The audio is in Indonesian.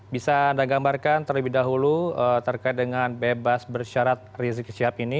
bisa anda gambarkan terlebih dahulu terkait dengan bebas bersyarat rizik syihab ini